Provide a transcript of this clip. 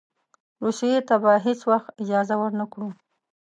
روسیې ته به هېڅ وخت اجازه ورنه کړو.